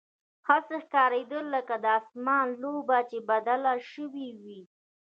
هسې ښکارېده لکه د اسمان لوبه چې بدله شوې وي.